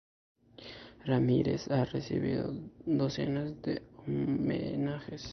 Ramírez ha recibido docenas de homenajes.